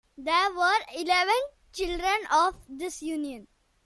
There were eleven children of this union.